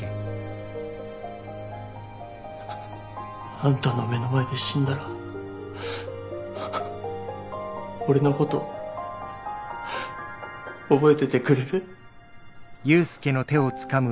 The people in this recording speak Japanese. あんたの目の前で死んだら俺のこと覚えててくれる？